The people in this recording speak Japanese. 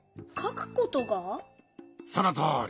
そのとおり。